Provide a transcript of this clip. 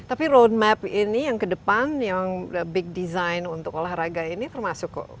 tapi road map ini yang kedepan yang big design untuk olahraga ini termasuk kok